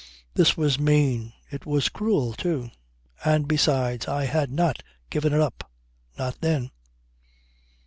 This was mean. It was cruel too. And besides I had not given it up not then."